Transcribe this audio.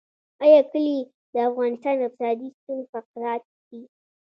آیا کلي د افغانستان اقتصادي ستون فقرات دي؟